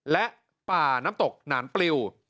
และป่าน้ำตกหนานปลิว